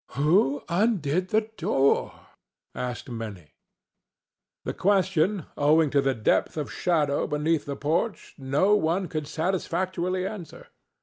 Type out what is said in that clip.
"Who undid the door?" asked many. This question, owing to the depth of shadow beneath the porch, no one could satisfactorily answer.